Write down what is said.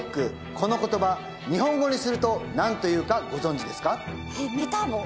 この言葉日本語にすると何というかご存じですか？